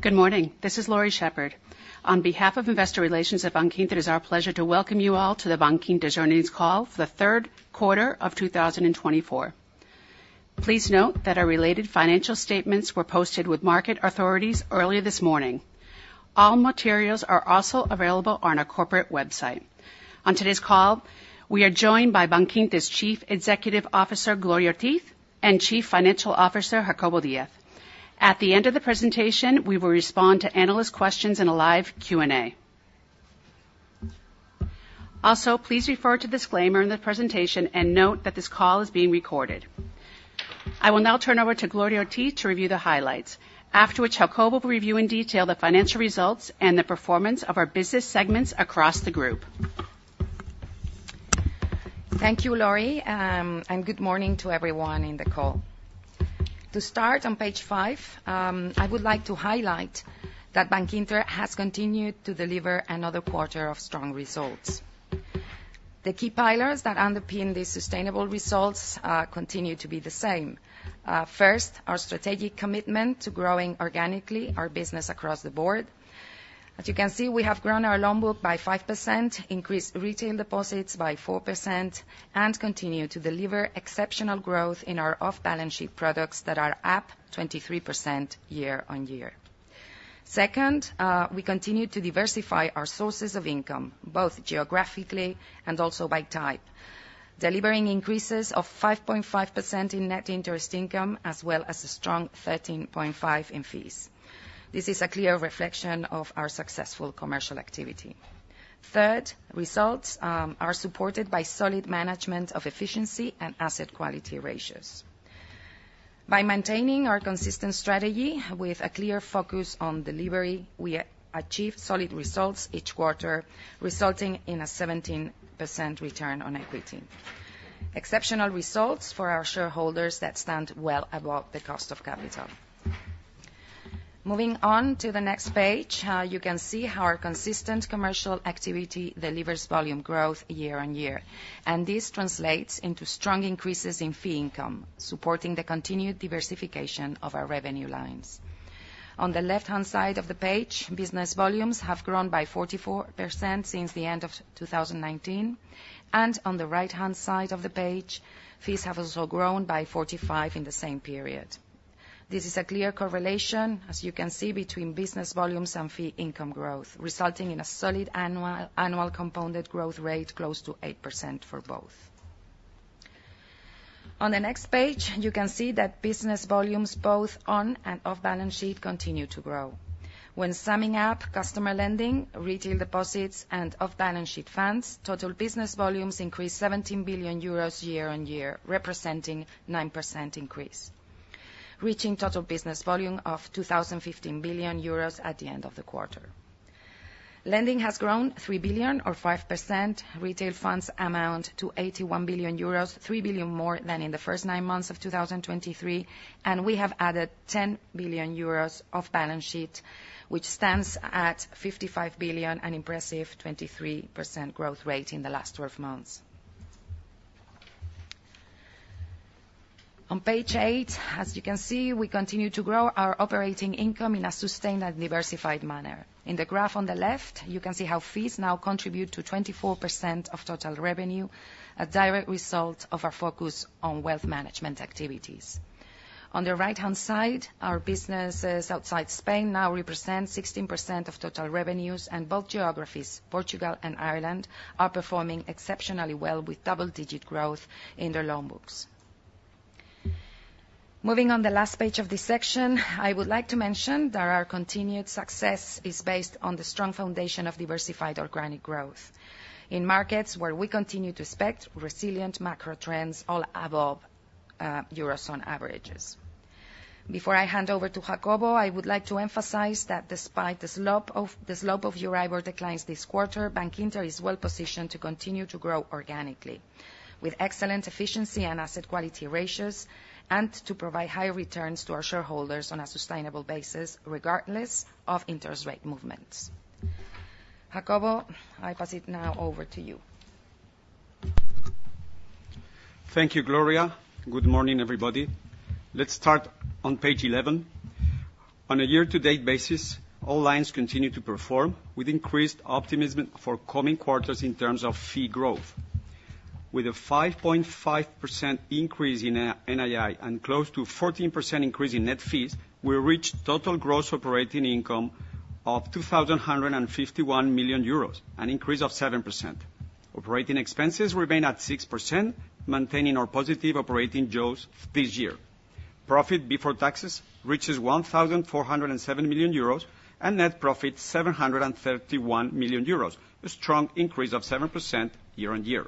Good morning, this is Laurie Shepherd. On behalf of Investor Relations at Bankinter, it is our pleasure to welcome you all to The Bankinter Earnings Call for the Q3 of two thousand and twenty-four. Please note that our related financial statements were posted with market authorities earlier this morning. All materials are also available on our corporate website. On today's call, we are joined by Bankinter's Chief Executive Officer, Gloria Ortiz, and Chief Financial Officer, Jacobo Díaz. At the end of the presentation, we will respond to analyst questions in a live Q&A. Also, please refer to the disclaimer in the presentation, and note that this call is being recorded. I will now turn over to Gloria Ortiz to review the highlights. After which, Jacobo will review in detail the financial results and the performance of our business segments across the group. Thank you, Laurie, and good morning to everyone in the call. To start, on page five, I would like to highlight that Bankinter has continued to deliver another quarter of strong results. The key pillars that underpin these sustainable results continue to be the same. First, our strategic commitment to growing organically our business across the board. As you can see, we have grown our loan book by 5%, increased retail deposits by 4%, and continue to deliver exceptional growth in our off-balance sheet products that are up 23% year on year. Second, we continue to diversify our sources of income, both geographically and also by type. Delivering increases of 5.5% in net interest income, as well as a strong 13.5% in fees. This is a clear reflection of our successful commercial activity. Third, results are supported by solid management of efficiency and asset quality ratios. By maintaining our consistent strategy with a clear focus on delivery, we achieve solid results each quarter, resulting in a 17% return on equity. Exceptional results for our shareholders that stand well above the cost of capital. Moving on to the next page, you can see how our consistent commercial activity delivers volume growth year on year, and this translates into strong increases in fee income, supporting the continued diversification of our revenue lines. On the left-hand side of the page, business volumes have grown by 44% since the end of 2019, and on the right-hand side of the page, fees have also grown by 45% in the same period. This is a clear correlation, as you can see, between business volumes and fee income growth, resulting in a solid annual compounded growth rate close to 8% for both. On the next page, you can see that business volumes, both on and off-balance sheet, continue to grow. When summing up, customer lending, retail deposits, and off-balance sheet funds, total business volumes increased 17 billion euros year on year, representing 9% increase, reaching total business volume of 2,015 billion euros at the end of the quarter. Lending has grown 3 billion, or 5%. Retail funds amount to 81 billion euros, 3 billion more than in the first nine months of 2023, and we have added 10 billion euros off-balance sheet, which stands at 55 billion, an impressive 23% growth rate in the last twelve months. On page eight, as you can see, we continue to grow our operating income in a sustained and diversified manner. In the graph on the left, you can see how fees now contribute to 24% of total revenue, a direct result of our focus on wealth management activities. On the right-hand side, our businesses outside Spain now represent 16% of total revenues, and both geographies, Portugal and Ireland, are performing exceptionally well, with double-digit growth in their loan books. Moving on the last page of this section, I would like to mention that our continued success is based on the strong foundation of diversified organic growth in markets where we continue to expect resilient macro trends, all above Eurozone averages. Before I hand over to Jacobo, I would like to emphasize that despite the slope of Euribor declines this quarter, Bankinter is well positioned to continue to grow organically, with excellent efficiency and asset quality ratios, and to provide high returns to our shareholders on a sustainable basis, regardless of interest rate movements. Jacobo, I pass it now over to you. Thank you, Gloria. Good morning, everybody. Let's start on page 11. On a year-to-date basis, all lines continue to perform with increased optimism for coming quarters in terms of fee growth. With a 5.5% increase in NII and close to 14% increase in net fees, we reached total gross operating income of 2,051 million euros, an increase of 7%. Operating expenses remain at 6%, maintaining our positive operating goals this year. Profit before taxes reaches 1,407 million euros, and net profit, 731 million euros, a strong increase of 7% year on year.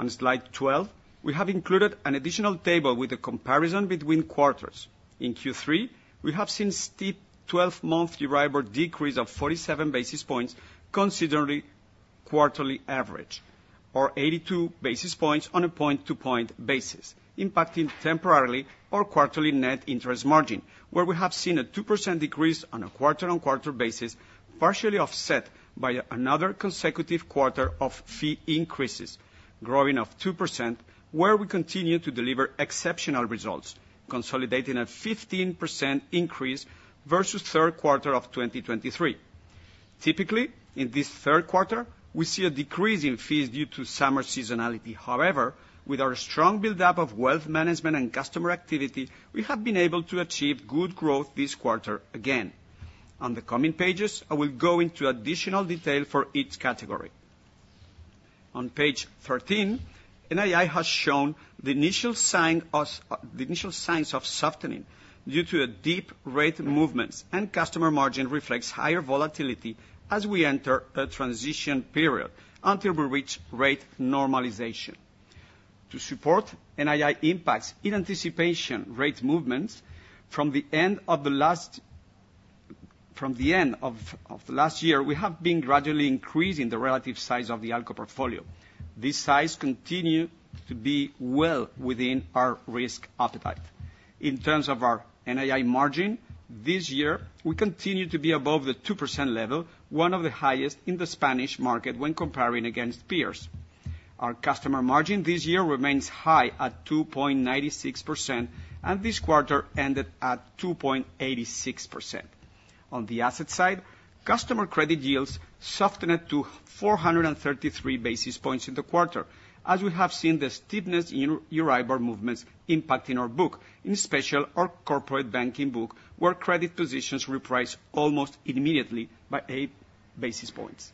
On slide 12, we have included an additional table with a comparison between quarters. In Q3, we have seen a steep 12-month Euribor decrease of 47 basis points, considering quarterly average, or 82 basis points on a point-to-point basis, impacting temporarily our quarterly net interest margin, where we have seen a 2% decrease on a quarter-on-quarter basis, partially offset by another consecutive quarter of fee increases, growing 2%, where we continue to deliver exceptional results, consolidating a 15% increase versus Q3 of 2023. Typically, in this Q3, we see a decrease in fees due to summer seasonality. However, with our strong buildup of wealth management and customer activity, we have been able to achieve good growth this quarter again. On the coming pages, I will go into additional detail for each category. On page 13, NII has shown the initial signs of softening due to a deep rate movements, and customer margin reflects higher volatility as we enter a transition period until we reach rate normalization. To support NII impacts in anticipation rate movements, from the end of last year, we have been gradually increasing the relative size of the ALCO portfolio. This size continue to be well within our risk appetite. In terms of our NII margin, this year, we continue to be above the 2% level, one of the highest in the Spanish market when comparing against peers. Our customer margin this year remains high at 2.96%, and this quarter ended at 2.86%. On the asset side, customer credit yields softened to four hundred and thirty-three basis points in the quarter, as we have seen the steepness in Euribor movements impacting our book, especially our corporate banking book, where credit positions reprice almost immediately by eight basis points.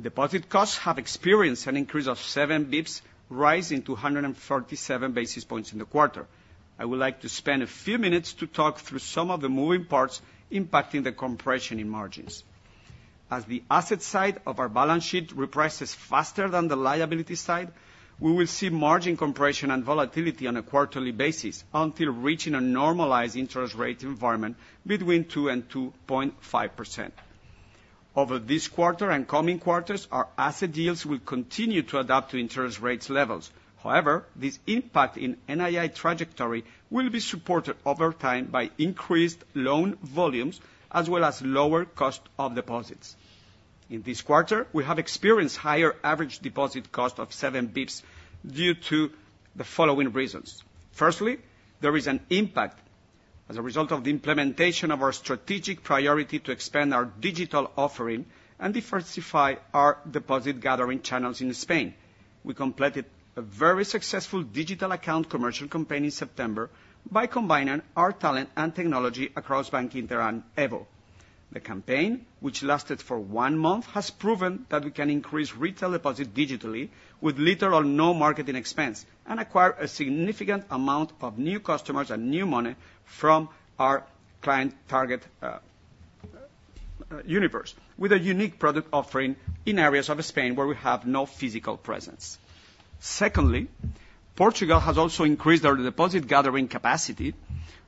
Deposit costs have experienced an increase of seven basis points, rising to one hundred and forty-seven basis points in the quarter. I would like to spend a few minutes to talk through some of the moving parts impacting the compression in margins. As the asset side of our balance sheet reprices faster than the liability side, we will see margin compression and volatility on a quarterly basis until reaching a normalized interest rate environment between two and two point five%. Over this quarter and coming quarters, our asset yields will continue to adapt to interest rates levels. However, this impact in NII trajectory will be supported over time by increased loan volumes, as well as lower cost of deposits. In this quarter, we have experienced higher average deposit cost of seven basis points due to the following reasons: firstly, there is an impact as a result of the implementation of our strategic priority to expand our digital offering and diversify our deposit gathering channels in Spain. We completed a very successful digital account commercial campaign in September by combining our talent and technology across Bankinter and EVO. The campaign, which lasted for one month, has proven that we can increase retail deposit digitally with little or no marketing expense, and acquire a significant amount of new customers and new money from our client target universe, with a unique product offering in areas of Spain where we have no physical presence. Secondly, Portugal has also increased their deposit gathering capacity,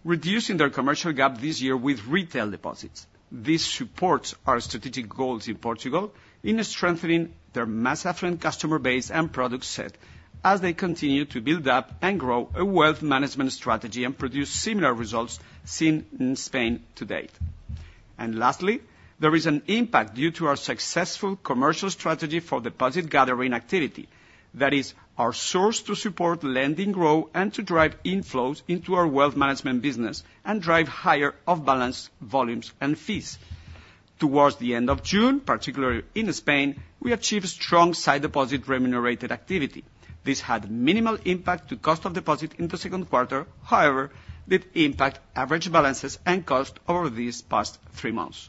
reducing their commercial gap this year with retail deposits. This supports our strategic goals in Portugal in strengthening their mass affluent customer base and product set as they continue to build up and grow a wealth management strategy and produce similar results seen in Spain to date, and lastly, there is an impact due to our successful commercial strategy for deposit gathering activity. That is our source to support lending growth and to drive inflows into our wealth management business and drive higher off-balance volumes and fees. Towards the end of June, particularly in Spain, we achieved strong sight deposit remunerated activity. This had minimal impact to cost of deposit in Q2. however, it did impact average balances and cost over these past three months.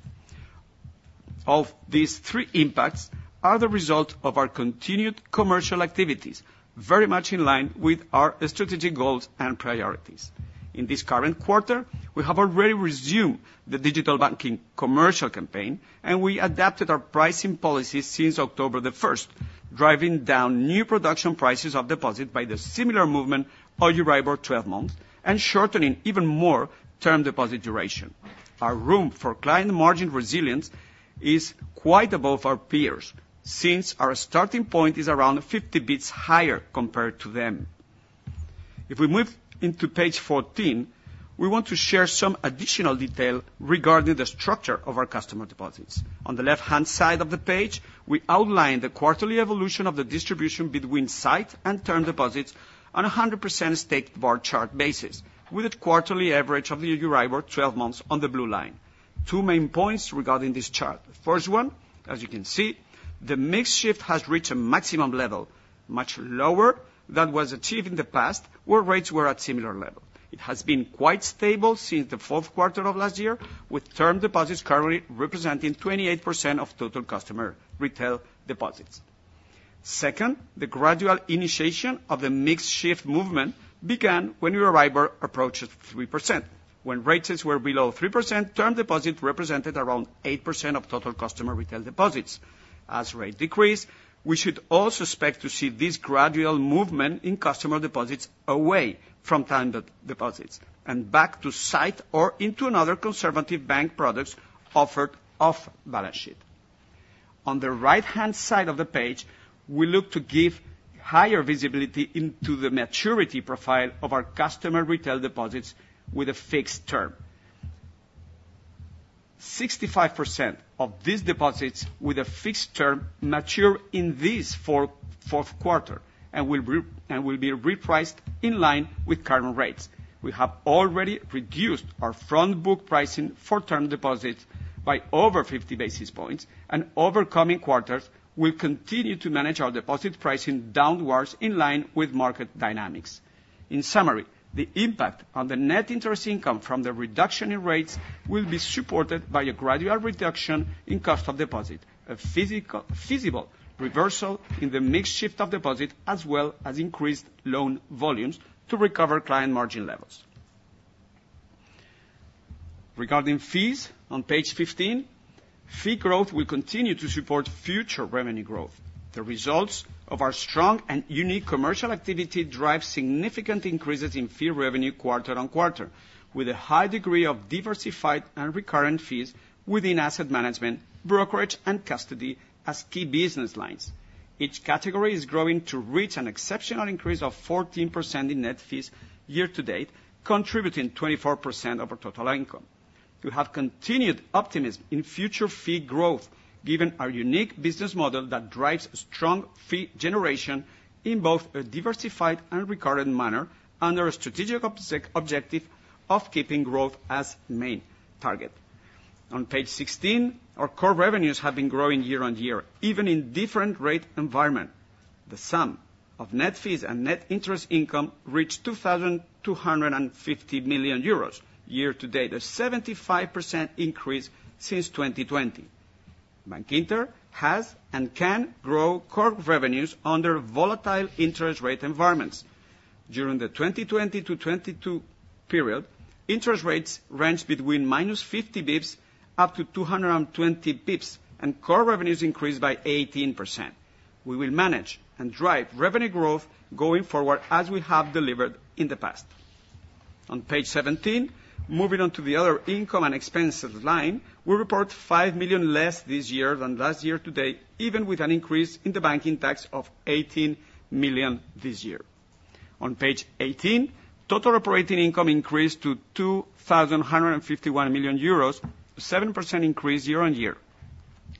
Of these three impacts are the result of our continued commercial activities, very much in line with our strategic goals and priorities. In this current quarter, we have already resumed the digital banking commercial campaign, and we adapted our pricing policy since October the first, driving down new production prices of deposit by the similar movement of Euribor twelve months, and shortening even more term deposit duration. Our room for client margin resilience is quite above our peers, since our starting point is around fifty basis points higher compared to them. If we move into page fourteen, we want to share some additional detail regarding the structure of our customer deposits. On the left-hand side of the page, we outline the quarterly evolution of the distribution between sight and term deposits on a 100% stacked bar chart basis, with a quarterly average of the Euribor 12 months on the blue line. Two main points regarding this chart. First one, as you can see, the mix shift has reached a maximum level, much lower than was achieved in the past, where rates were at similar level. It has been quite stable since the Q4 of last year, with term deposits currently representing 28% of total customer retail deposits. Second, the gradual initiation of the mix shift movement began when Euribor approached 3%. When rates were below 3%, term deposit represented around 8% of total customer retail deposits. As rates decrease, we should also expect to see this gradual movement in customer deposits away from term deposits, and back to sight or into another conservative bank products offered off balance sheet. On the right-hand side of the page, we look to give higher visibility into the maturity profile of our customer retail deposits with a fixed term. 65% of these deposits with a fixed term mature in this Q4, and will be repriced in line with current rates. We have already reduced our front book pricing for term deposits by over 50 basis points, and over coming quarters, we'll continue to manage our deposit pricing downwards in line with market dynamics. In summary, the impact on the net interest income from the reduction in rates will be supported by a gradual reduction in cost of deposit, a feasible reversal in the mix shift of deposit, as well as increased loan volumes to recover client margin levels. Regarding fees, on page 15, fee growth will continue to support future revenue growth. The results of our strong and unique commercial activity drive significant increases in fee revenue quarter on quarter, with a high degree of diversified and recurrent fees within asset management, brokerage, and custody as key business lines. Each category is growing to reach an exceptional increase of 14% in net fees year to date, contributing 24% of our total income. We have continued optimism in future fee growth, given our unique business model that drives strong fee generation in both a diversified and recorded manner, under a strategic objective of keeping growth as main target. On page 16, our core revenues have been growing year on year, even in different rate environment. The sum of net fees and net interest income reached 2,250 million euros year to date, a 75% increase since 2020. Bankinter has and can grow core revenues under volatile interest rate environments. During the 2020 to 2022 period, interest rates ranged between minus 50 basis points up to 220 basis points, and core revenues increased by 18%. We will manage and drive revenue growth going forward, as we have delivered in the past. On page 17, moving on to the other income and expenses line, we report 5 million less this year than last year today, even with an increase in the banking tax of 18 million this year. On page 18, total operating income increased to 2,051 million euros, 7% increase year on year.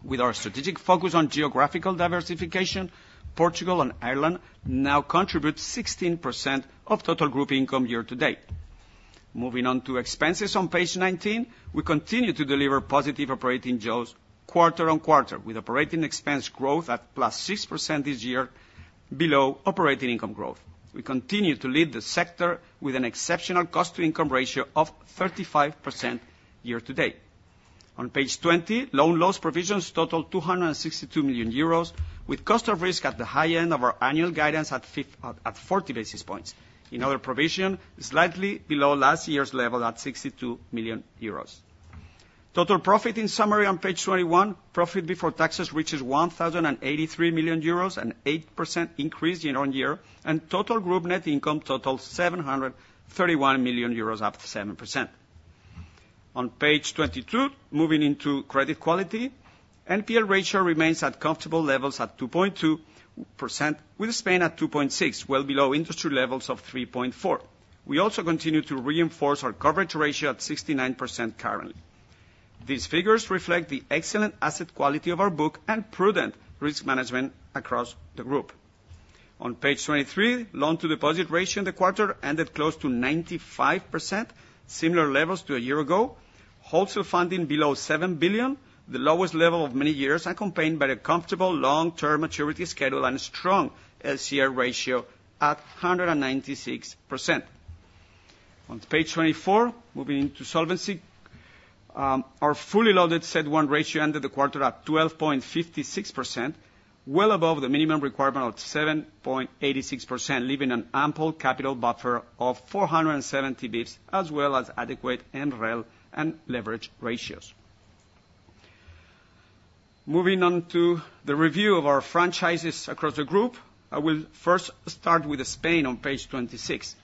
With our strategic focus on geographical diversification, Portugal and Ireland now contribute 16% of total group income year to date. Moving on to expenses on page 19, we continue to deliver positive operating jaws quarter on quarter, with operating expense growth at +6% this year below operating income growth. We continue to lead the sector with an exceptional cost to income ratio of 35% year to date. On page 20, loan loss provisions total 262 million euros, with cost of risk at the high end of our annual guidance at forty basis points. In other provision, slightly below last year's level at 62 million euros. Total profit, in summary, on page 21, profit before taxes reaches 1,083 million euros, an 8% increase year on year, and total group net income totals 731 million euros, up 7%. On page 22, moving into credit quality, NPL ratio remains at comfortable levels at 2.2%, with Spain at 2.6%, well below industry levels of 3.4%. We also continue to reinforce our coverage ratio at 69% currently. These figures reflect the excellent asset quality of our book and prudent risk management across the group. On page 23, loan to deposit ratio in the quarter ended close to 95%, similar levels to a year ago. Wholesale funding below 7 billion, the lowest level of many years, accompanied by a comfortable long-term maturity schedule and a strong LCR ratio at 196%. On page 24, moving into solvency, our fully loaded CET1 ratio ended the quarter at 12.56%, well above the minimum requirement of 7.86%, leaving an ample capital buffer of 470 basis points, as well as adequate MREL and leverage ratios. Moving on to the review of our franchises across the group, I will first start with Spain on page 26.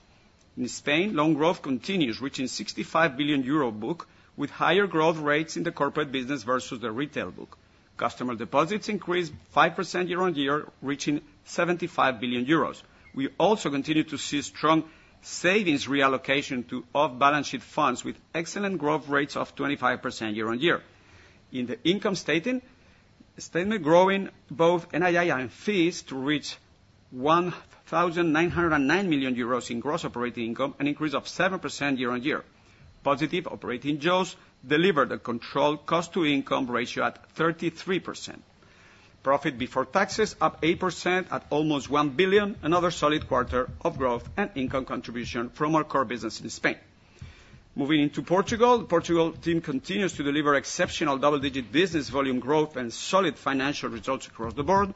In Spain, loan growth continues, reaching 65 billion euro book, with higher growth rates in the corporate business versus the retail book. Customer deposits increased 5% year on year, reaching 75 billion euros. We also continue to see strong savings reallocation to off-balance sheet funds, with excellent growth rates of 25% year on year. In the income statement growing both NII and fees to reach 1,909 million euros in gross operating income, an increase of 7% year on year. Positive operating jaws delivered a controlled cost to income ratio at 33%. Profit before taxes up 8% at almost 1 billion EUR, another solid quarter of growth and income contribution from our core business in Spain. Moving into Portugal. The Portugal team continues to deliver exceptional double-digit business volume growth and solid financial results across the board.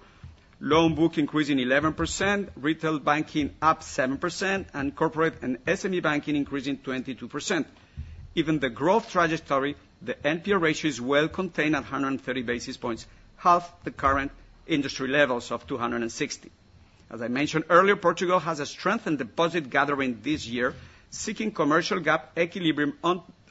Loan book increasing 11%, retail banking up 7%, and corporate and SME banking increasing 22%. Given the growth trajectory, the NPL ratio is well contained at 130 basis points, half the current industry levels of 260. As I mentioned earlier, Portugal has a strengthened deposit gathering this year, seeking commercial gap equilibrium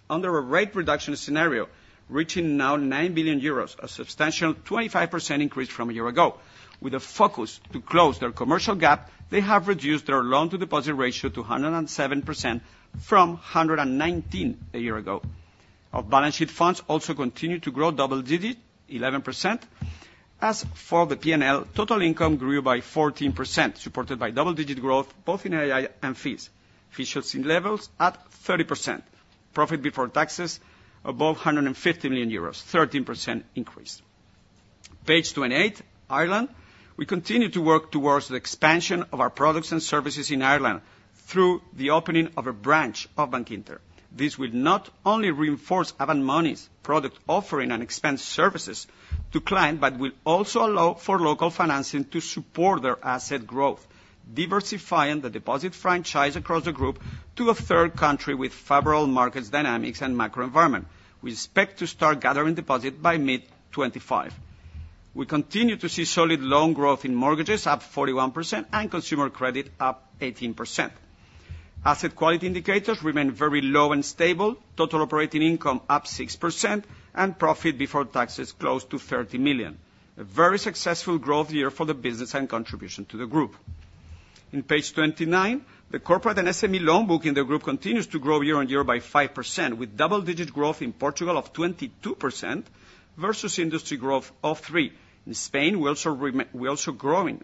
under a rate reduction scenario, reaching now 9 billion euros, a substantial 25% increase from a year ago. With a focus to close their commercial gap, they have reduced their loan to deposit ratio to 107% from 119% a year ago. Our off-balance sheet funds also continue to grow double digits, 11%. As for the P&L, total income grew by 14%, supported by double-digit growth, both in NII and fees. Fees shown in levels at 30%. Profit before taxes above 150 million euros, 13% increase. Page 28, Ireland. We continue to work towards the expansion of our products and services in Ireland through the opening of a branch of Bankinter. This will not only reinforce Avant Money's product offering and extend services to clients, but will also allow for local financing to support their asset growth, diversifying the deposit franchise across the group to a third country with favorable market dynamics and macro environment. We expect to start gathering deposits by mid-2025. We continue to see solid loan growth in mortgages, up 41%, and consumer credit, up 18%. Asset quality indicators remain very low and stable. Total operating income, up 6%, and profit before tax is close to 30 million. A very successful growth year for the business and contribution to the group. On page 29, the corporate and SME loan book in the group continues to grow year on year by 5%, with double-digit growth in Portugal of 22% versus industry growth of 3%. In Spain, we also – we're also growing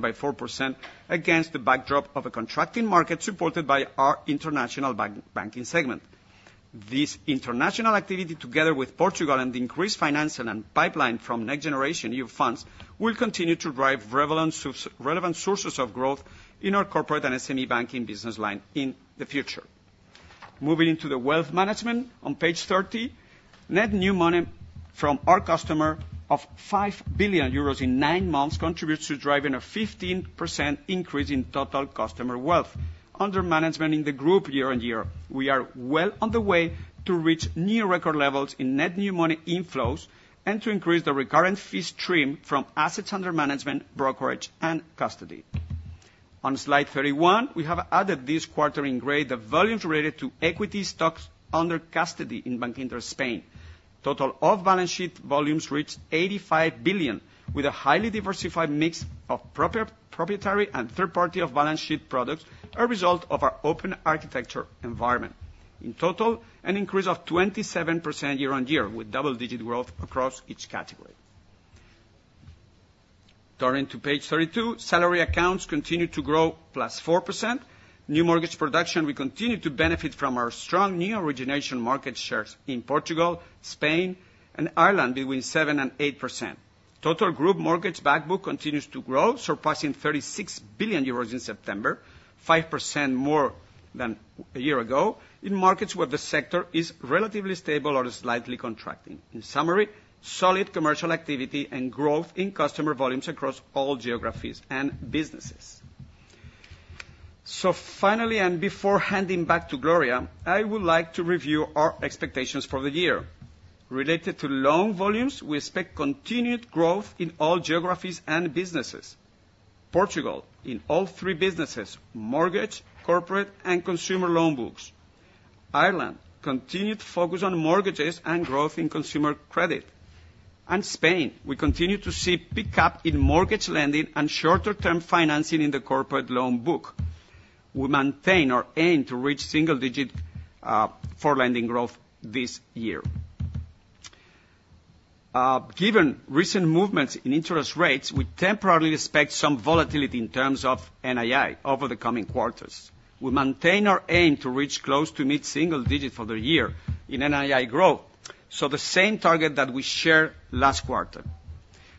by 4% against the backdrop of a contracting market, supported by our international banking segment. This international activity, together with Portugal and increased financing and pipeline from Next Generation EU Funds, will continue to drive relevant sources of growth in our corporate and SME banking business line in the future. Moving into the wealth management on page 30, net new money from our customer of 5 billion euros in nine months contributes to driving a 15% increase in total customer wealth under management in the group year on year. We are well on the way to reach new record levels in net new money inflows, and to increase the recurrent fee stream from assets under management, brokerage, and custody. On slide 31, we have added this quarter in gray, the volumes related to equity stocks under custody in Bankinter Spain. Total off-balance sheet volumes reached 85 billion, with a highly diversified mix of proprietary and third party off-balance sheet products, a result of our open architecture environment. In total, an increase of 27% year on year, with double-digit growth across each category. Turning to page 32, salary accounts continue to grow +4%. New mortgage production, we continue to benefit from our strong new origination market shares in Portugal, Spain, and Ireland, between 7% and 8%. Total group mortgage book continues to grow, surpassing 36 billion euros in September, 5% more than a year ago, in markets where the sector is relatively stable or is slightly contracting. In summary, solid commercial activity and growth in customer volumes across all geographies and businesses. So finally, and before handing back to Gloria, I would like to review our expectations for the year. Related to loan volumes, we expect continued growth in all geographies and businesses. Portugal, in all three businesses, mortgage, corporate, and consumer loan books. Ireland, continued focus on mortgages and growth in consumer credit. And Spain, we continue to see pickup in mortgage lending and shorter-term financing in the corporate loan book. We maintain our aim to reach single-digit for lending growth this year. Given recent movements in interest rates, we temporarily expect some volatility in terms of NII over the coming quarters. We maintain our aim to reach close to mid-single digit for the year in NII growth, so the same target that we shared last quarter,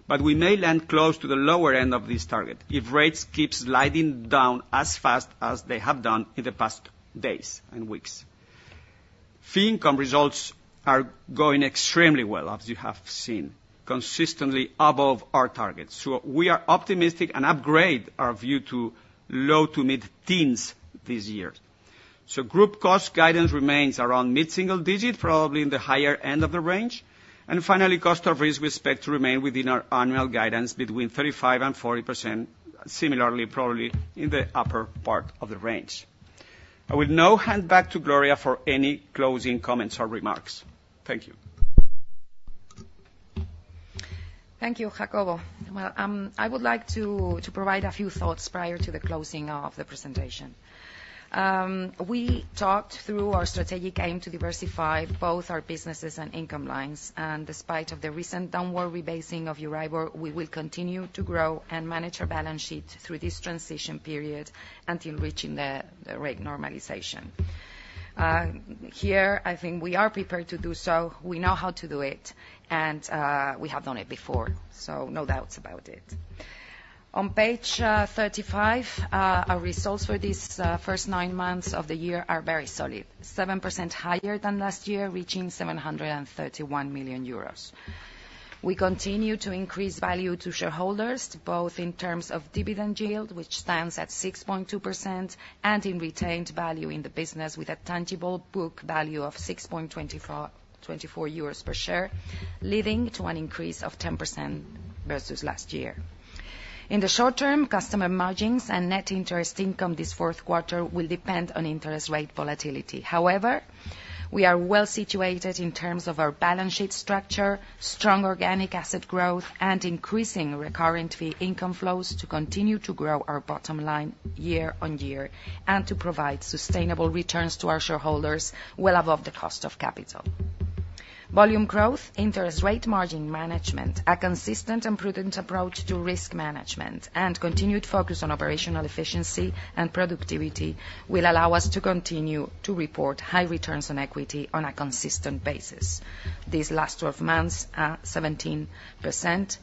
but we may land close to the lower end of this target if rates keep sliding down as fast as they have done in the past days and weeks. Fee income results are going extremely well, as you have seen, consistently above our targets, so we are optimistic and upgrade our view to low to mid-teens this year, so group cost guidance remains around mid-single digit, probably in the higher end of the range, and finally, cost of risk, we expect to remain within our annual guidance between 35% and 40%, similarly, probably in the upper part of the range. I will now hand back to Gloria for any closing comments or remarks. Thank you. Thank you, Jacobo. Well, I would like to provide a few thoughts prior to the closing of the presentation. We talked through our strategic aim to diversify both our businesses and income lines, and despite of the recent downward rebasing of Euribor, we will continue to grow and manage our balance sheet through this transition period until reaching the rate normalization. Here, I think we are prepared to do so. We know how to do it, and we have done it before, so no doubts about it. On page 35, our results for these first nine months of the year are very solid, 7% higher than last year, reaching 731 million euros. We continue to increase value to shareholders, both in terms of dividend yield, which stands at 6.2%, and in retained value in the business, with a tangible book value of 6.24 euros per share, leading to an increase of 10% versus last year. In the short term, customer margins and net interest income this Q4 will depend on interest rate volatility. However, we are well situated in terms of our balance sheet structure, strong organic asset growth, and increasing recurring fee income flows to continue to grow our bottom line year on year, and to provide sustainable returns to our shareholders well above the cost of capital. Volume growth, interest rate margin management, a consistent and prudent approach to risk management, and continued focus on operational efficiency and productivity, will allow us to continue to report high returns on equity on a consistent basis. These last 12 months are 17%,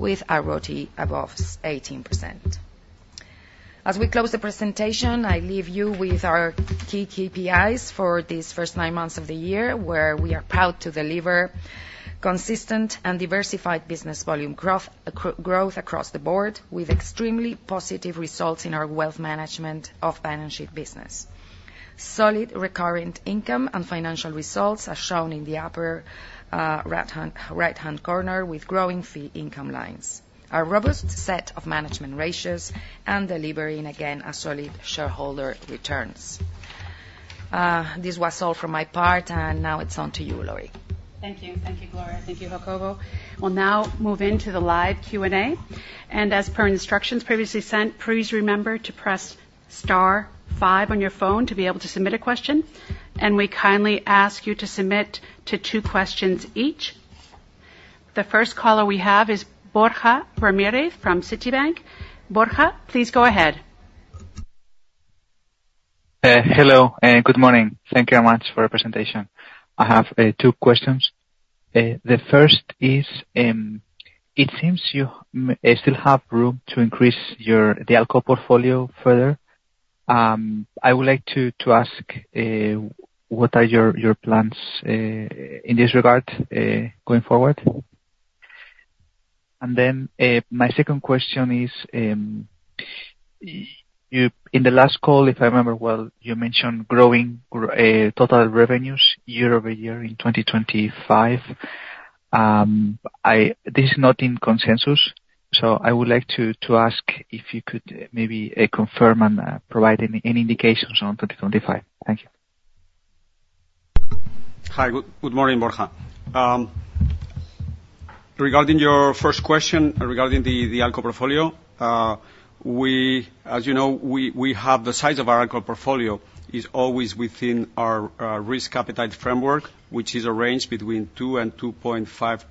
with our RoTE above 18%. As we close the presentation, I leave you with our key KPIs for these first nine months of the year, where we are proud to deliver consistent and diversified business volume growth growth across the board, with extremely positive results in our wealth management off-balance-sheet business. Solid recurring income and financial results are shown in the upper right-hand corner, with growing fee income lines. A robust set of management ratios, and delivering, again, a solid shareholder returns. This was all from my part, and now it's on to you, Laurie. Thank you. Thank you, Gloria. Thank you, Jacobo. We'll now move into the live Q&A, and as per instructions previously sent, please remember to press star five on your phone to be able to submit a question, and we kindly ask you to submit to two questions each. The first caller we have is Borja Ramirez from Citibank. Borja, please go ahead. Hello and good morning. Thank you very much for your presentation. I have two questions. The first is, it seems you still have room to increase your the ALCO portfolio further. I would like to ask what are your plans in this regard going forward? And then my second question is, you in the last call, if I remember well, you mentioned growing total revenues year over year in twenty twenty-five. This is not in consensus, so I would like to ask if you could maybe confirm and provide any indications on twenty twenty-five. Thank you. Hi, good morning, Borja. Regarding your first question, regarding the ALCO portfolio, as you know, we have the size of our ALCO portfolio is always within our risk appetite framework, which is a range between 2 and 2.5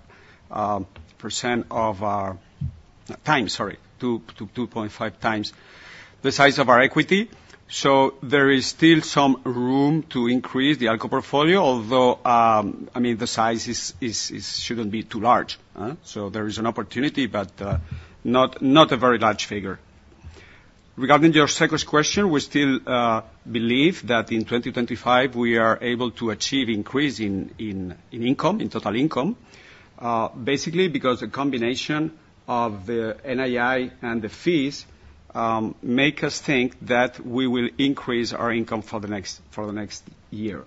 times the size of our equity. So there is still some room to increase the ALCO portfolio, although, I mean, the size shouldn't be too large? So there is an opportunity, but not a very large figure. Regarding your second question, we still believe that in twenty twenty-five, we are able to achieve increase in income, in total income, basically because the combination of the NII and the fees make us think that we will increase our income for the next year.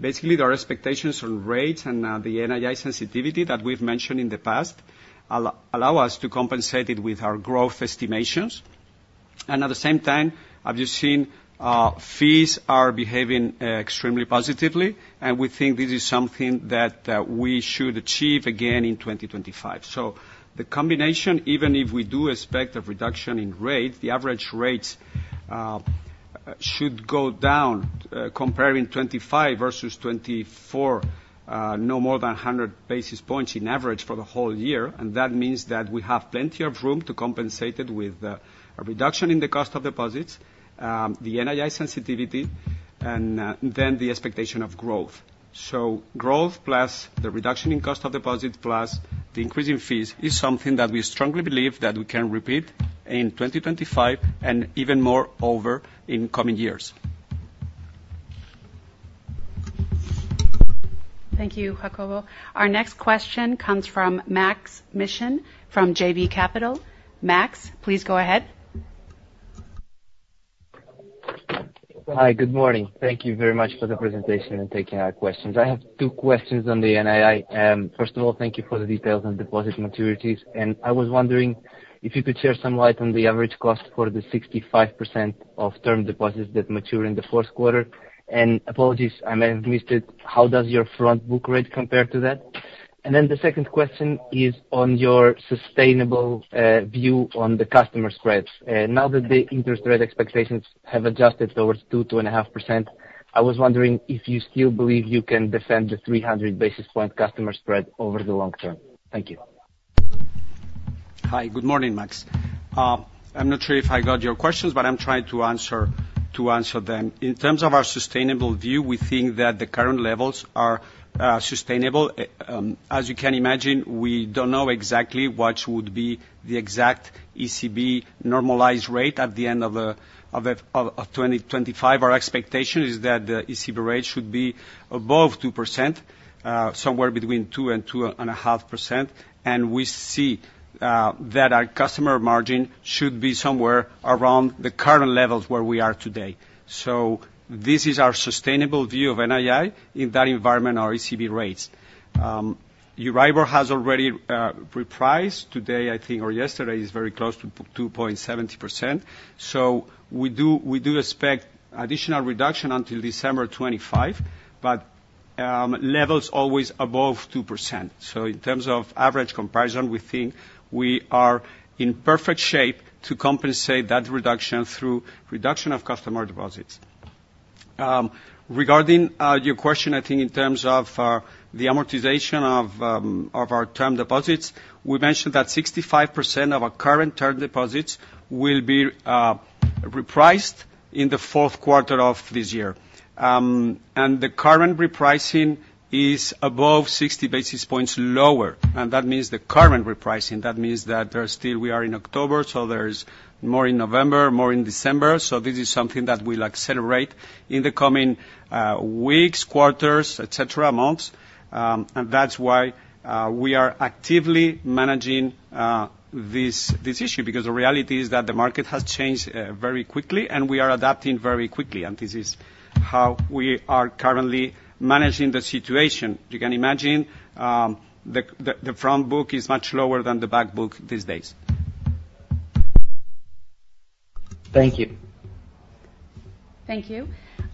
Basically, there are expectations on rates and the NII sensitivity that we've mentioned in the past allow us to compensate it with our growth estimations. And at the same time, I've just seen fees are behaving extremely positively, and we think this is something that we should achieve again in twenty twenty-five. So the combination, even if we do expect a reduction in rates, the average rates should go down comparing twenty-five versus twenty-four no more than hundred basis points in average for the whole year. That means that we have plenty of room to compensate it with a reduction in the cost of deposits, the NII sensitivity, and then the expectation of growth. So growth plus the reduction in cost of deposit, plus the increase in fees, is something that we strongly believe that we can repeat in 2025, and even more over in coming years. Thank you, Jacobo. Our next question comes from Maksym Mishyn from JB Capital. Max, please go ahead. Hi, good morning. Thank you very much for the presentation and taking our questions. I have two questions on the NII. First of all, thank you for the details on deposit maturities, and I was wondering if you could share some light on the average cost for the 65% of term deposits that mature in the Q4. And apologies, I may have missed it: How does your front book rate compare to that? And then the second question is on your sustainable view on the customer spreads. Now that the interest rate expectations have adjusted towards 2-2.5%, I was wondering if you still believe you can defend the 300 basis points customer spread over the long term. Thank you. Hi, good morning, Max. I'm not sure if I got your questions, but I'm trying to answer them. In terms of our sustainable view, we think that the current levels are sustainable. As you can imagine, we don't know exactly what would be the exact ECB normalized rate at the end of 2025. Our expectation is that the ECB rate should be above 2%, somewhere between 2%-2.5%, and we see that our customer margin should be somewhere around the current levels where we are today. So this is our sustainable view of NII in that environment, our ECB rates. Euribor has already repriced. Today, I think, or yesterday, is very close to 2.70%. So we do expect additional reduction until December 2025, but levels always above 2%. So in terms of average comparison, we think we are in perfect shape to compensate that reduction through reduction of customer deposits. Regarding your question, I think in terms of the amortization of our term deposits, we mentioned that 65% of our current term deposits will be repriced in the Q4 of this year. And the current repricing is above 60 basis points lower, and that means the current repricing. That means that there are still, we are in October, so there is more in November, more in December. So this is something that will accelerate in the coming weeks, quarters, et cetera, months. That's why we are actively managing this issue, because the reality is that the market has changed very quickly, and we are adapting very quickly, and this is how we are currently managing the situation. You can imagine the front book is much lower than the back book these days. Thank you. Thank you.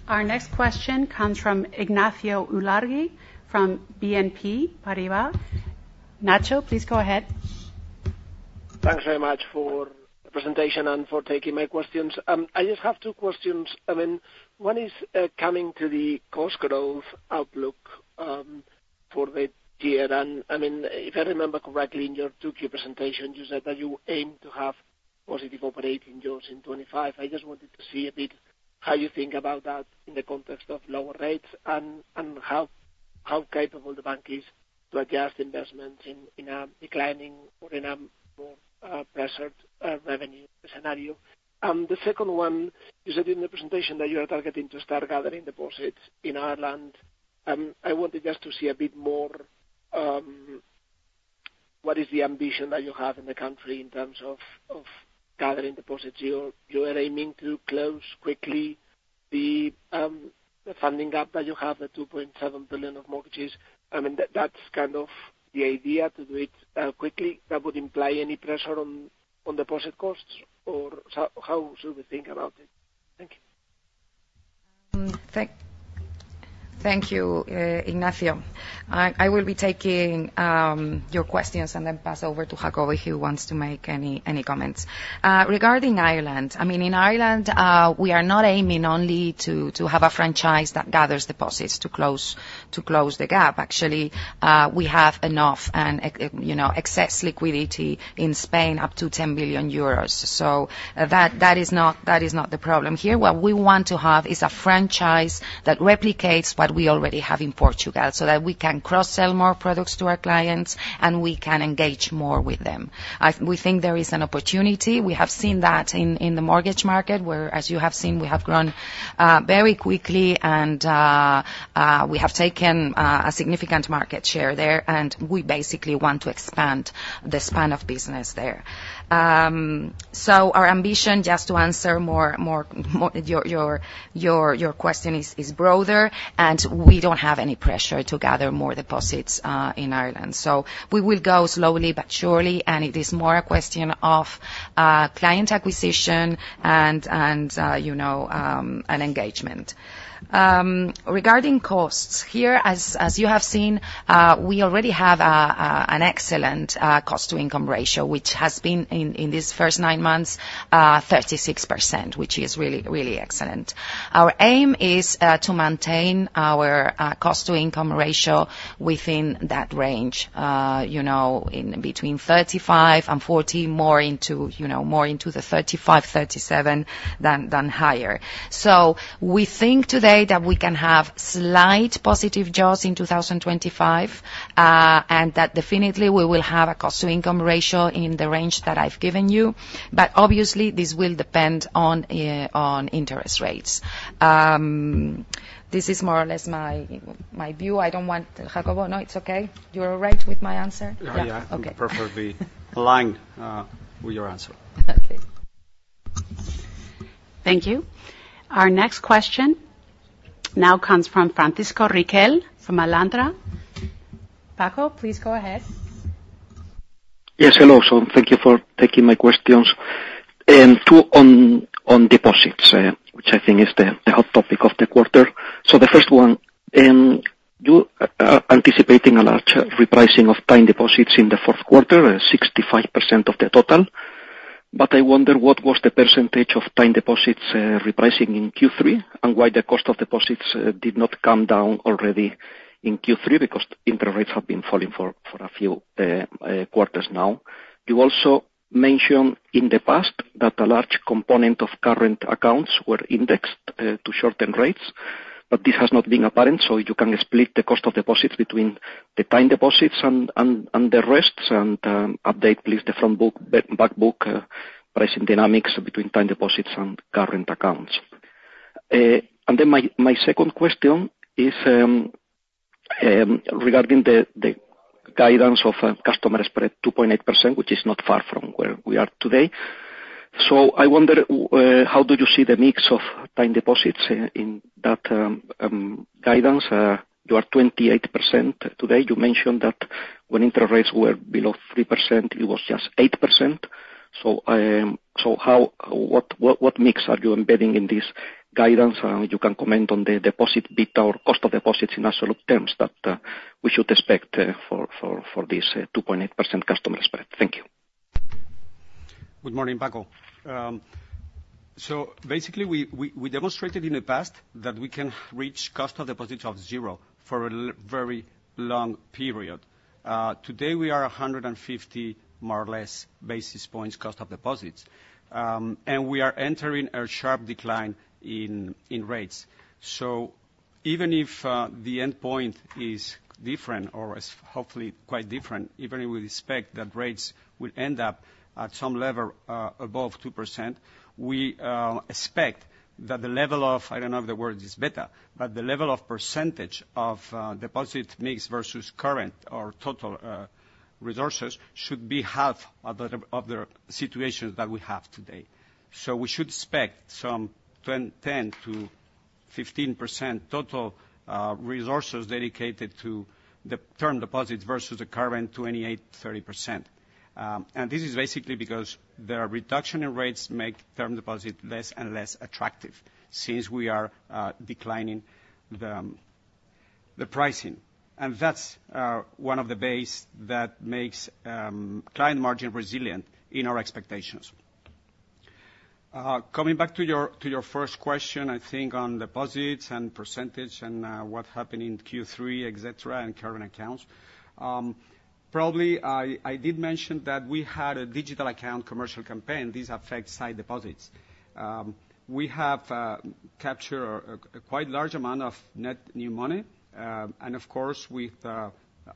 Our next question comes from Ignacio Ulargui, from BNP Paribas. Nacho, please go ahead. Thanks very much for the presentation and for taking my questions. I just have two questions. I mean, one is coming to the cost growth outlook for the year, and I mean, if I remember correctly, in your two key presentations, you said that you aim to have positive operating jaws in 2025. I just wanted to see a bit how you think about that in the context of lower rates, and how capable the bank is to adjust investments in a declining or a more pressured revenue scenario. The second one, you said in the presentation that you are targeting to start gathering deposits in Ireland. I wanted just to see a bit more what is the ambition that you have in the country in terms of gathering deposits? You are aiming to close quickly the funding gap that you have, the 2.7 billion of mortgages. I mean, that's kind of the idea, to do it quickly. That would imply any pressure on deposit costs, or how should we think about it? Thank you. Thank you, Ignacio. I will be taking your questions and then pass over to Jacob, if he wants to make any comments. Regarding Ireland, I mean, in Ireland, we are not aiming only to have a franchise that gathers deposits to close the gap. Actually, we have enough and excess liquidity in Spain, up to 10 billion euros. So that is not the problem here. What we want to have is a franchise that replicates what we already have in Portugal, so that we can cross-sell more products to our clients, and we can engage more with them. We think there is an opportunity. We have seen that in the mortgage market, where as you have seen, we have grown very quickly and we have taken a significant market share there, and we basically want to expand the span of business there. So our ambition, just to answer more to your question, is broader, and we don't have any pressure to gather more deposits in Ireland. So we will go slowly but surely, and it is more a question of client acquisition and you know and engagement. Regarding costs here, as you have seen, we already have an excellent cost-to-income ratio, which has been in this first nine months 36%, which is really, really excellent. Our aim is to maintain our cost-to-income ratio within that range, you know, in between 35% and 40%, more into, you know, more into the 35%-37% than higher. So we think today that we can have slight positive jaws in 2025, and that definitely we will have a cost-to-income ratio in the range that I've given you. But obviously, this will depend on on interest rates. This is more or less my view. I don't want... Jacob, no, it's okay? You are all right with my answer? Oh, yeah. Okay. Perfectly aligned with your answer. Okay. Thank you. Our next question now comes from Francisco Riquel, from Alantra. Paco, please go ahead. Yes, hello. So thank you for taking my questions. Two on deposits, which I think is the hot topic of the quarter. So the first one, you are anticipating a large repricing of time deposits in the Q4, 65% of the total, but I wonder what was the percentage of time deposits repricing in Q3, and why the cost of deposits did not come down already in Q3, because interest rates have been falling for a few quarters now. You also mentioned in the past that a large component of current accounts were indexed to short-term rates, but this has not been apparent, so you can split the cost of deposits between the time deposits and the rest, and update, please, the front book, back book pricing dynamics between time deposits and current accounts. And then my second question is regarding the guidance of customer spread 2.8%, which is not far from where we are today. So I wonder how do you see the mix of time deposits in that guidance? You are 28% today. You mentioned that when interest rates were below 3%, it was just 8%. So how what mix are you embedding in this guidance? You can comment on the deposit beta or cost of deposits in absolute terms that we should expect for this 2.8% customer spread. Thank you. Good morning, Paco. So basically, we demonstrated in the past that we can reach cost of deposits of zero for a very long period. Today, we are a hundred and fifty, more or less, basis points cost of deposits. And we are entering a sharp decline in rates. So even if the endpoint is different, or is hopefully quite different, even if we expect that rates will end up at some level above 2%, we expect that the level of, I don't know if the word is better, but the level of percentage of deposit mix versus current or total resources, should be half of the situation that we have today. So we should expect some 10-15% total resources dedicated to the term deposits versus the current 28-30%. This is basically because the reduction in rates make term deposits less and less attractive, since we are declining the pricing. That's one of the basis that makes client margin resilient in our expectations. Coming back to your first question, I think on deposits and percentage and what happened in Q3, et cetera, and current accounts. Probably, I did mention that we had a digital account commercial campaign. These affect sight deposits. We have captured a quite large amount of net new money, and of course, with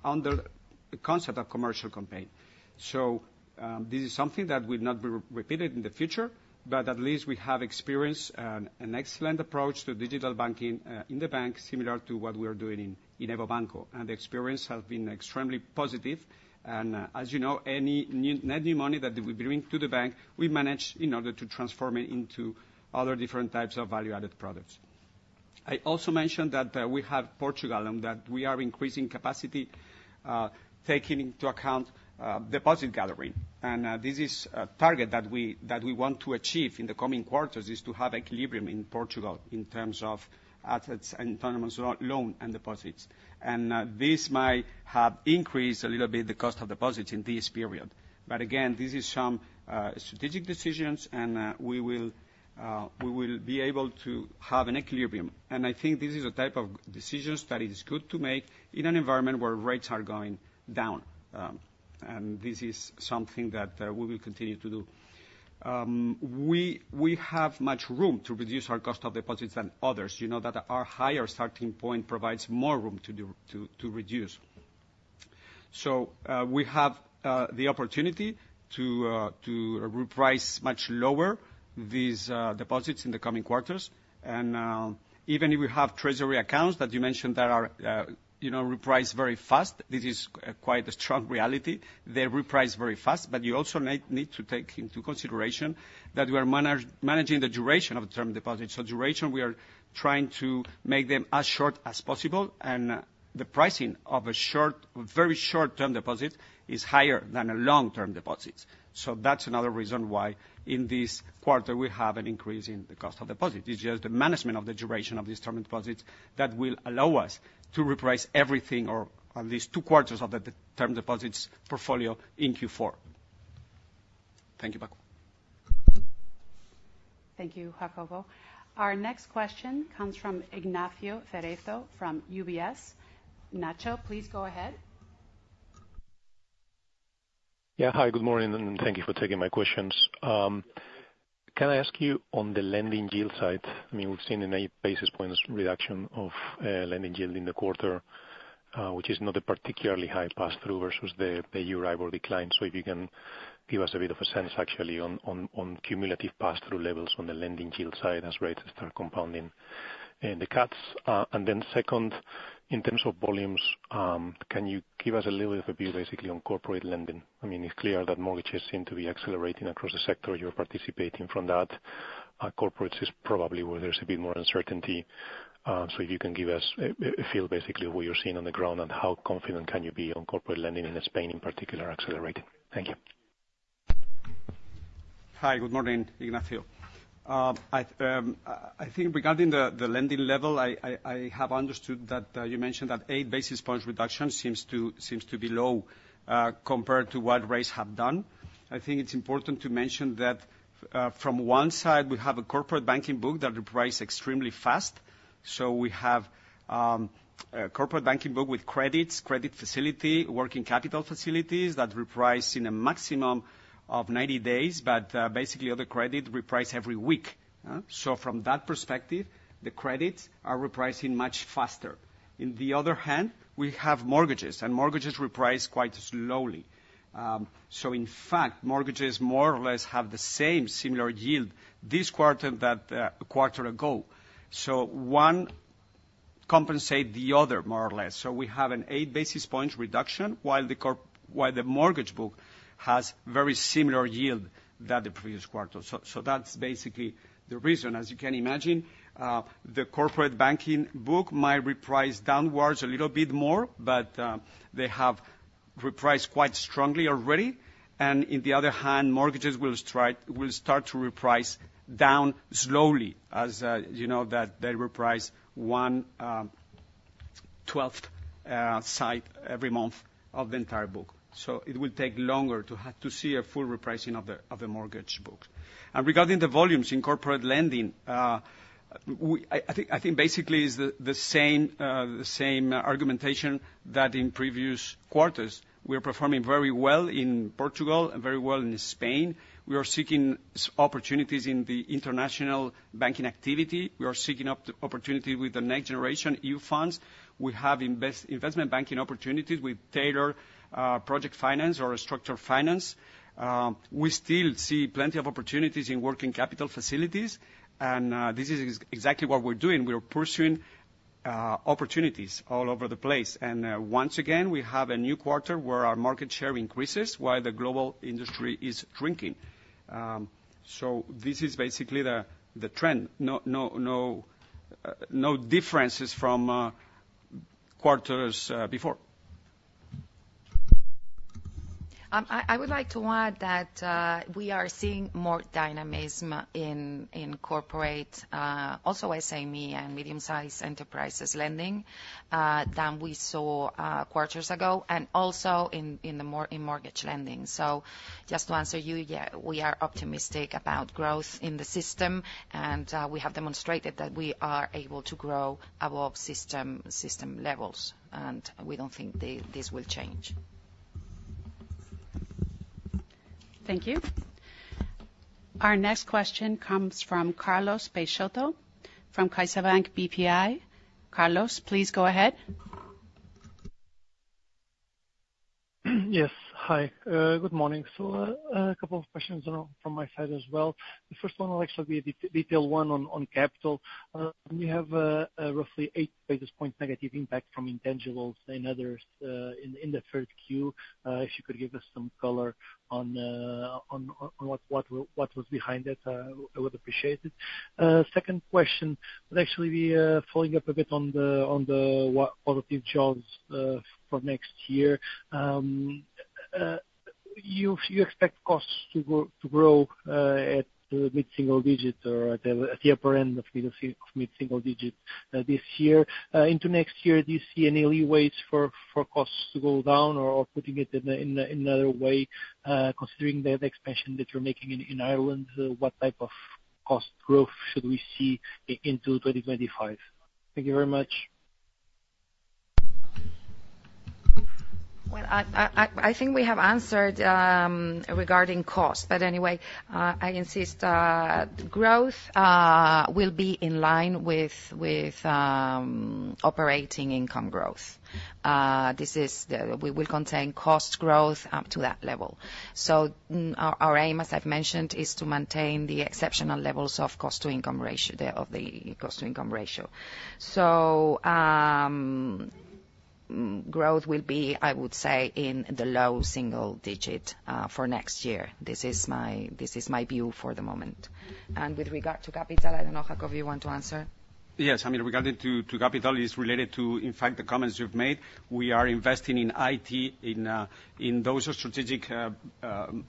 under the concept of commercial campaign. This is something that will not be repeated in the future, but at least we have experienced an excellent approach to digital banking in the bank, similar to what we are doing in EVO Banco, and the experience has been extremely positive, and as you know, any net new money that we bring to the bank, we manage in order to transform it into other different types of value-added products. I also mentioned that we have Portugal, and that we are increasing capacity, taking into account deposit gathering, and this is a target that we want to achieve in the coming quarters, is to have equilibrium in Portugal in terms of assets and terms of loan and deposits, and this might have increased a little bit the cost of deposits in this period. But again, this is some strategic decisions, and we will be able to have an equilibrium. And I think this is a type of decisions that is good to make in an environment where rates are going down, and this is something that we will continue to do. We have much room to reduce our cost of deposits than others. You know that our higher starting point provides more room to do to reduce. So, we have the opportunity to reprice much lower these deposits in the coming quarters. And even if we have treasury accounts that you mentioned that are, you know, reprice very fast, this is quite a strong reality. They reprice very fast, but you also need to take into consideration that we are managing the duration of term deposits. So duration, we are trying to make them as short as possible, and the pricing of a short, very short-term deposit is higher than a long-term deposits. So that's another reason why, in this quarter, we have an increase in the cost of deposits. It's just the management of the duration of these term deposits that will allow us to reprice everything, or at least two quarters of the term deposits portfolio in Q4. Thank you, Paco. Thank you, Jacobo. Our next question comes from Ignacio Cerezo from UBS. Nacho, please go ahead. Yeah, hi, good morning, and thank you for taking my questions. Can I ask you on the lending yield side? I mean, we've seen an eight basis points reduction of lending yield in the quarter, which is not a particularly high pass-through versus the Euribor decline. So if you can give us a bit of a sense, actually, on cumulative pass-through levels on the lending yield side as rates start compounding and the cuts. And then second, in terms of volumes, can you give us a little bit of a view, basically, on corporate lending? I mean, it's clear that mortgages seem to be accelerating across the sector. You're participating from that. Corporates is probably where there's a bit more uncertainty. So if you can give us a feel, basically, of what you're seeing on the ground, and how confident can you be on corporate lending in Spain, in particular, accelerating? Thank you. Hi, good morning, Ignacio. I think regarding the lending level, I have understood that you mentioned that eight basis points reduction seems to be low compared to what rates have done. I think it's important to mention that from one side, we have a corporate banking book that reprice extremely fast. So we have a corporate banking book with credits, credit facility, working capital facilities that reprice in a maximum of 90 days, but basically, other credit reprice every week? So from that perspective, the credits are repricing much faster. In the other hand, we have mortgages, and mortgages reprice quite slowly. So in fact, mortgages more or less have the same similar yield this quarter that a quarter ago. So one compensate the other, more or less. So we have an eight basis points reduction, while the corporate... While the mortgage book has very similar yield than the previous quarter. So that's basically the reason. As you can imagine, the corporate banking book might reprice downwards a little bit more, but they have repriced quite strongly already, and on the other hand, mortgages will start to reprice down slowly, as you know, that they reprice one twelfth of it every month of the entire book. So it will take longer to see a full repricing of the mortgage book. And regarding the volumes in corporate lending, we think basically it's the same argumentation that in previous quarters. We're performing very well in Portugal and very well in Spain. We are seeking opportunities in the international banking activity. We are seeking opportunity with the Next Generation EU Funds. We have investment banking opportunities with tailored project finance or structured finance. We still see plenty of opportunities in working capital facilities, and this is exactly what we're doing. We're pursuing opportunities all over the place. And once again, we have a new quarter where our market share increases while the global industry is shrinking. So this is basically the trend. No, no, no, no differences from quarters before. I would like to add that we are seeing more dynamism in corporate, also SME and medium-sized enterprises lending than we saw quarters ago, and also in mortgage lending. So just to answer you, yeah, we are optimistic about growth in the system, and we have demonstrated that we are able to grow above system levels, and we don't think this will change. Thank you. Our next question comes from Carlos Peixoto, from CaixaBank BPI. Carlos, please go ahead. Yes. Hi. Good morning. So, a couple of questions from my side as well. The first one will actually be a detail one on capital. We have a roughly eight basis point negative impact from intangibles and others in the third Q. If you could give us some color on what was behind it, I would appreciate it. Second question will actually be following up a bit on the quality of jaws for next year. You expect costs to grow at mid-single digit or at the upper end of mid-single digit this year. Into next year, do you see any ways for costs to go down? Putting it in another way, considering the expansion that you're making in Ireland, what type of cost growth should we see into 2025? Thank you very much. I think we have answered regarding costs, but anyway, I insist, growth will be in line with operating income growth. We will contain cost growth up to that level. So our aim, as I've mentioned, is to maintain the exceptional levels of the cost-to-income ratio. So, growth will be, I would say, in the low single digit for next year. This is my view for the moment. And with regard to capital, I don't know, Jacobo, you want to answer? Yes. I mean, regarding to capital, it's related to, in fact, the comments you've made. We are investing in IT, in those strategic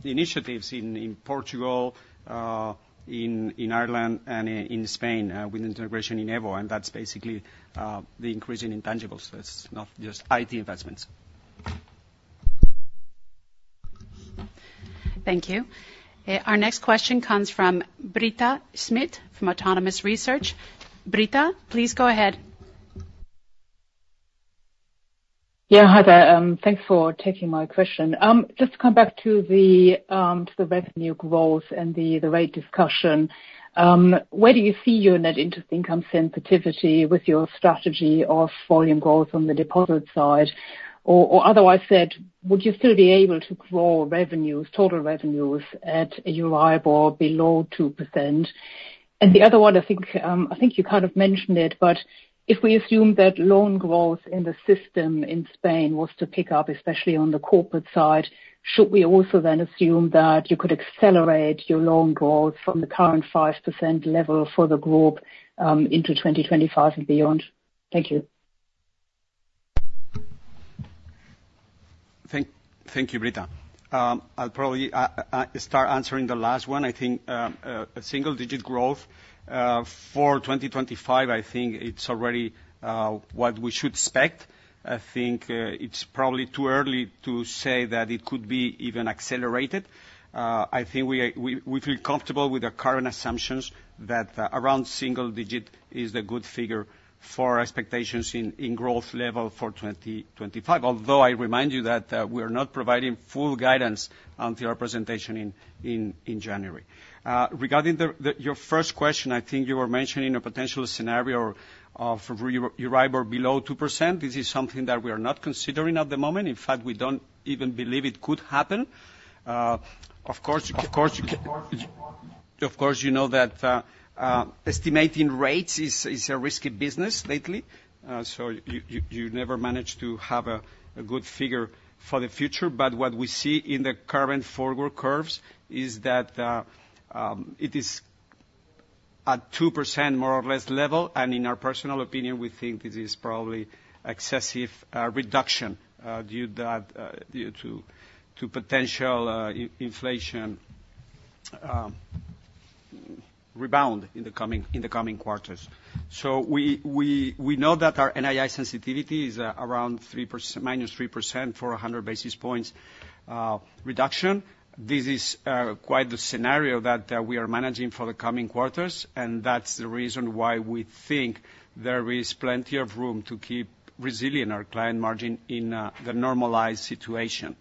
initiatives in Portugal, in Ireland, and in Spain, with integration in EVO, and that's basically the increase in intangibles. That's not just IT investments. Thank you. Our next question comes from Britta Schmidt, from Autonomous Research. Britta, please go ahead. Yeah, hi there. Thanks for taking my question. Just to come back to the, to the revenue growth and the, the rate discussion, where do you see your net interest income sensitivity with your strategy of volume growth on the deposit side? Or, or otherwise said, would you still be able to grow revenues, total revenues, at a Euribor below 2%? And the other one, I think, I think you kind of mentioned it, but if we assume that loan growth in the system in Spain was to pick up, especially on the corporate side, should we also then assume that you could accelerate your loan growth from the current 5% level for the group, into twenty twenty-five and beyond? Thank you. Thank you, Britta. I'll probably start answering the last one. I think a single digit growth for twenty twenty-five is already what we should expect. I think it's probably too early to say that it could be even accelerated. I think we feel comfortable with the current assumptions, that around single digit is a good figure for expectations in growth level for twenty twenty-five. Although, I remind you that we are not providing full guidance until our presentation in January. Regarding your first question, I think you were mentioning a potential scenario of Euribor below 2%. This is something that we are not considering at the moment. In fact, we don't even believe it could happen. Of course, you know that estimating rates is a risky business lately, so you never manage to have a good figure for the future. But what we see in the current forward curves is that at 2%, more or less, level, and in our personal opinion, we think this is probably excessive reduction due to potential inflation rebound in the coming quarters. So we know that our NII sensitivity is around 3%, minus 3% for 100 basis points reduction. This is quite the scenario that we are managing for the coming quarters, and that's the reason why we think there is plenty of room to keep resilient our client margin in the normalized situation.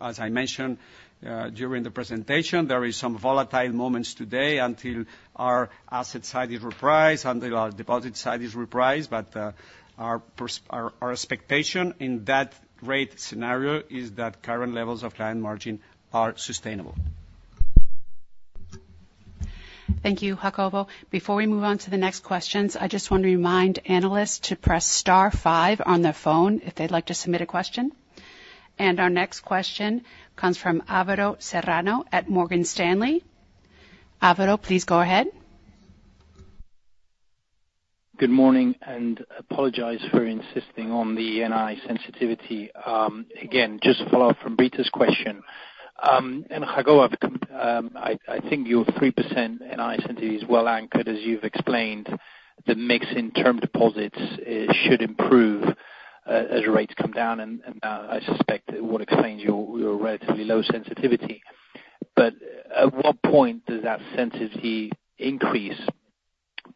As I mentioned during the presentation, there is some volatile moments today until our asset side is repriced, until our deposit side is repriced, but our expectation in that rate scenario is that current levels of client margin are sustainable. Thank you, Jacobo. Before we move on to the next questions, I just want to remind analysts to press star five on their phone if they'd like to submit a question. And our next question comes from Álvaro Serrano at Morgan Stanley. Alvaro, please go ahead. Good morning. I apologize for insisting on the NII sensitivity. Again, just to follow up from Britta's question, and Jacobo, I think your 3% NII sensitivity is well anchored, as you've explained, the mix in term deposits should improve as rates come down, and I suspect it would explain your relatively low sensitivity. But at what point does that sensitivity increase?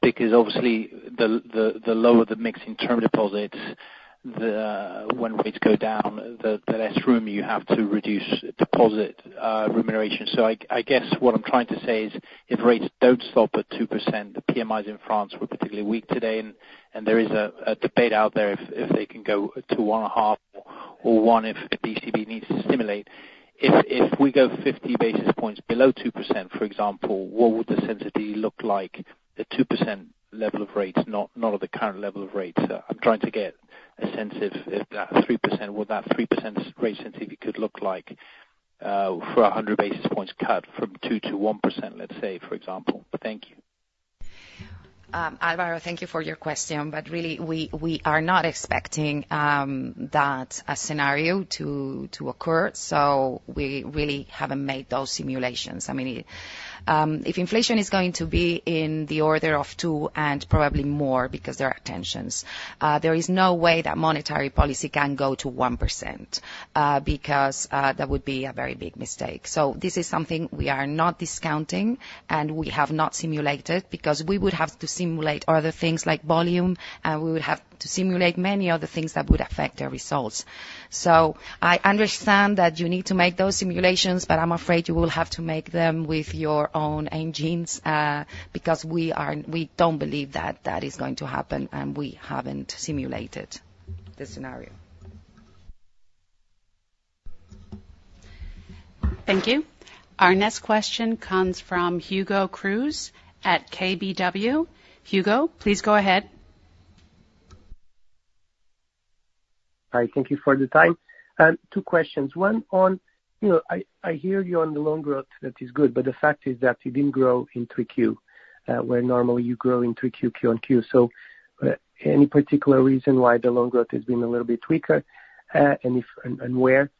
Because obviously, the lower the mix in term deposits, when rates go down, the less room you have to reduce deposit remuneration. So I guess what I'm trying to say is, if rates don't stop at 2%, the PMIs in France were particularly weak today, and there is a debate out there if they can go to one and a half or one, if the ECB needs to stimulate. If we go 50 basis points below 2%, for example, what would the sensitivity look like at 2% level of rates, not at the current level of rates? I'm trying to get a sense if that 3%, what that 3% rate sensitivity could look like, for a 100 basis points cut from 2% to 1%, let's say, for example. Thank you. Alvaro, thank you for your question, but really, we are not expecting that scenario to occur, so we really haven't made those simulations. I mean, if inflation is going to be in the order of 2% and probably more, because there are tensions, there is no way that monetary policy can go to 1%, because that would be a very big mistake. So this is something we are not discounting, and we have not simulated, because we would have to simulate other things like volume, and we would have to simulate many other things that would affect our results. So I understand that you need to make those simulations, but I'm afraid you will have to make them with your own engines, because we don't believe that that is going to happen, and we haven't simulated the scenario. Thank you. Our next question comes from Hugo Cruz at KBW. Hugo, please go ahead. Hi, thank you for the time. Two questions. One on, you know, I hear you on the loan growth, that is good, but the fact is that you didn't grow in 3Q, where normally you grow in 3Q, Q on Q. So, any particular reason why the loan growth has been a little bit weaker, and where?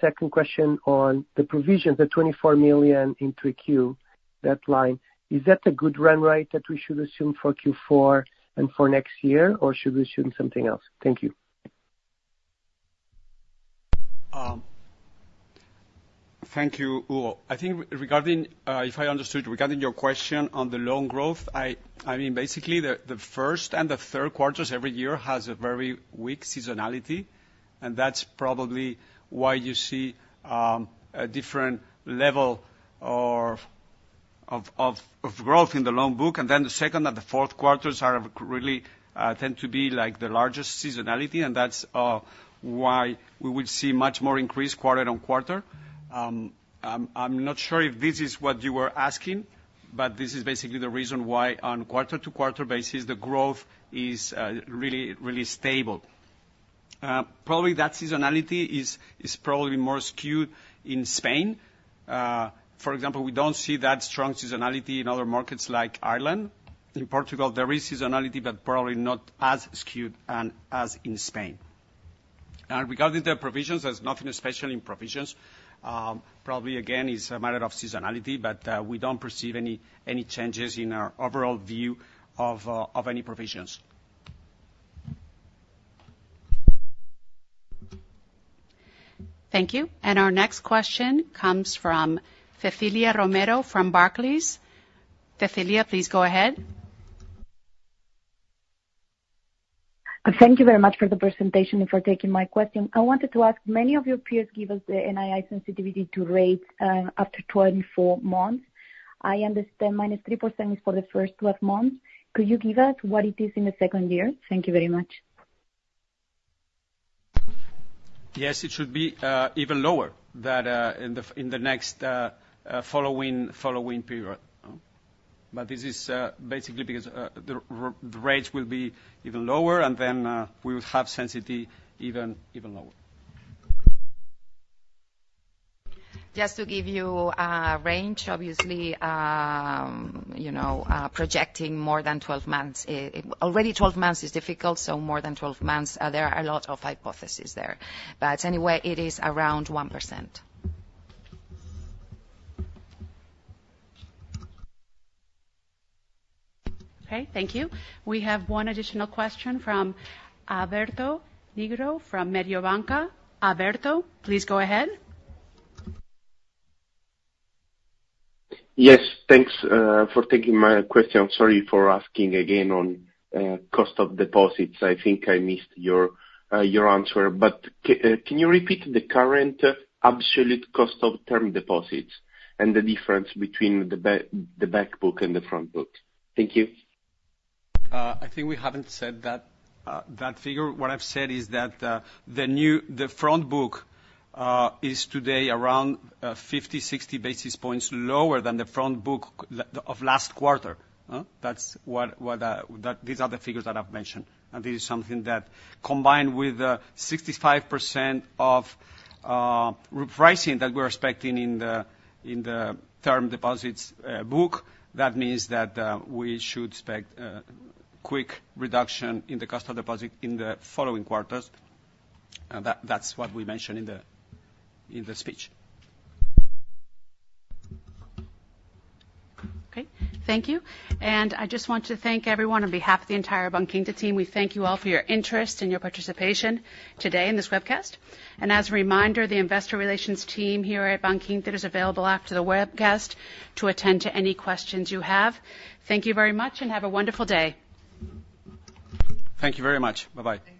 Second question on the provisions, the €24 million in 3Q, that line, is that a good run rate that we should assume for Q4 and for next year, or should we assume something else? Thank you. Thank you, Hugo. I think regarding, if I understood, regarding your question on the loan growth, I mean, basically, the first and the Q3s every year has a very weak seasonality, and that's probably why you see a different level of growth in the loan book, and then the second and the Q4s are really tend to be like the largest seasonality, and that's why we will see much more increase quarter on quarter. I'm not sure if this is what you were asking, but this is basically the reason why on quarter to quarter basis, the growth is really, really stable. Probably that seasonality is probably more skewed in Spain. For example, we don't see that strong seasonality in other markets like Ireland. In Portugal, there is seasonality, but probably not as skewed and as in Spain. And regarding the provisions, there's nothing special in provisions. Probably, again, it's a matter of seasonality, but we don't perceive any changes in our overall view of any provisions. Thank you. Our next question comes from Cecilia Romero from Barclays. Cecilia, please go ahead. Thank you very much for the presentation and for taking my question. I wanted to ask, many of your peers give us the NII sensitivity to rates up to twenty-four months. I understand minus 3% is for the first twelve months. Could you give us what it is in the second year? Thank you very much. Yes, it should be even lower than in the next following period. But this is basically because the rates will be even lower, and then we would have sensitivity even lower.... Just to give you a range, obviously, you know, projecting more than twelve months, already twelve months is difficult, so more than twelve months, there are a lot of hypotheses there. But anyway, it is around 1%. Okay, thank you. We have one additional question from Alberto Nigro, from Mediobanca. Alberto, please go ahead. Yes, thanks for taking my question. Sorry for asking again on cost of deposits. I think I missed your answer. But can you repeat the current absolute cost of term deposits and the difference between the back book and the front book? Thank you. I think we haven't said that figure. What I've said is that the front book is today around 50, 60 basis points lower than the front book of last quarter, huh? That's what that... These are the figures that I've mentioned, and this is something that combined with 65% of repricing that we're expecting in the term deposits book, that means that we should expect quick reduction in the cost of deposit in the following quarters. That, that's what we mentioned in the speech. Okay, thank you. And I just want to thank everyone on behalf of the entire Bankinter team. We thank you all for your interest and your participation today in this webcast. And as a reminder, the investor relations team here at Bankinter is available after the webcast to attend to any questions you have. Thank you very much, and have a wonderful day. Thank you very much. Bye-bye.